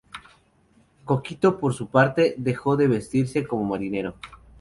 Coquito por su parte, dejó de vestirse como marinero.